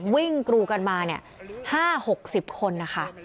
วิ่งกรูกันมาเนี่ย๕๖๐คนนะคะ